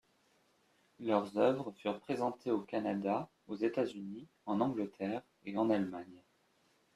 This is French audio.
Leurs œuvres furent présentées au Canada, aux États-Unis, en Angleterre et en Allemagne.